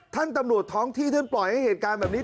ตำรวจท้องที่ท่านปล่อยให้เหตุการณ์แบบนี้